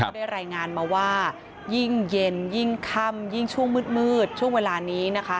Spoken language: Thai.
ได้รายงานมาว่ายิ่งเย็นยิ่งค่ำยิ่งช่วงมืดช่วงเวลานี้นะคะ